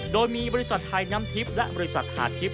โดยมีบริษัทไทยน้ำทิพย์และบริษัทหาดทิพย